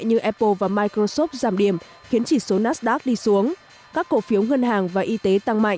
như apple và microsoft giảm điểm khiến chỉ số nasdaq đi xuống các cổ phiếu ngân hàng và y tế tăng mạnh